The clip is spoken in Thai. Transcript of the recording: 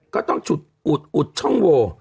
ก็ต้องชุดอุดอุดช่องโว